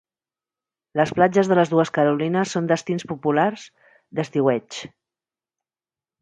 Les platges de les dues Carolinas són destins populars d'estiueig.